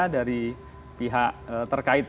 dari pihak terkait